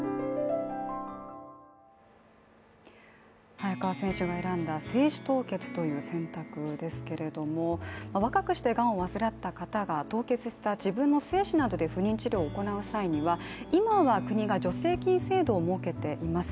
早川選手の選んだ精子凍結という選択ですけれども、若くしてがんを患った方が凍結した精子などで不妊治療を行う際は、今は国が助成制度を設けています。